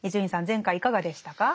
前回いかがでしたか？